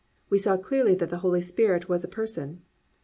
We saw clearly that the Holy Spirit was a person.